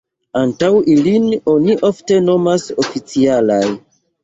Ankaŭ ilin oni ofte nomas oficialaj.